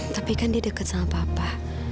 tapi kan dia dekat sama papa